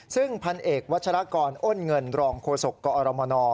ซึ่งพันเอกวัชรากรอ้นเงินรองโฆษกกอรมน